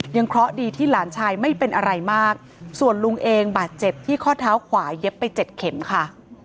เคราะห์ดีที่หลานชายไม่เป็นอะไรมากส่วนลุงเองบาดเจ็บที่ข้อเท้าขวาเย็บไปเจ็ดเข็มค่ะ